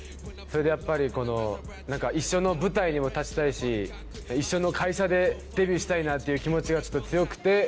それでやっぱり一緒の舞台にも立ちたいし一緒の会社でデビューしたいなっていう気持ちが強くて。